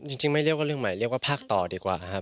จริงไม่เรียกว่าเรื่องใหม่เรียกว่าภาคต่อดีกว่าครับ